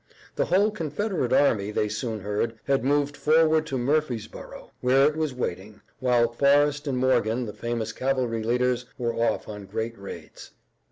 The whole Confederate army, they soon heard, had moved forward to Murfreesborough, where it was waiting, while Forrest and Morgan, the famous cavalry leaders, were off on great raids.